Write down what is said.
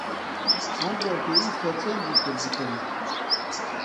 ئەمڕۆ پێویستە چەندی تر بکەین؟